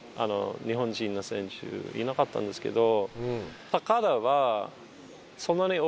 日本人の選手いなかったんですけど。